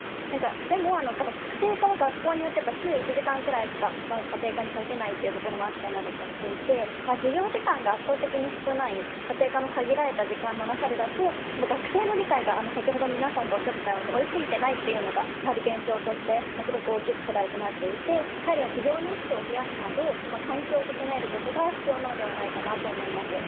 でも、学校によっては週に１時間くらいしか家庭科に割けないということもあったりしていて授業時間が圧倒的に少ない家庭科の限られた時間の中だと学生の理解が、先ほど皆さんがおっしゃってたように追いついていないというのが現状としてすごく大きい課題となっていて授業日数を増やすなど環境を整えることが必要なのではないかと思います。